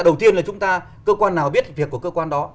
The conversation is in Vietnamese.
đầu tiên là chúng ta cơ quan nào biết việc của cơ quan đó